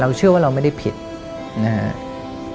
เชื่อว่าเราไม่ได้ผิดนะครับ